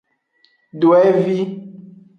Dwevi.